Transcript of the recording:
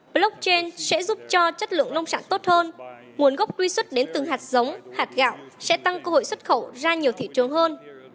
blockchain sẽ giúp cho chất lượng nông sản tốt hơn nguồn gốc truy xuất đến từng hạt giống hạt gạo sẽ tăng cơ hội xuất khẩu ra nhiều thị trường hơn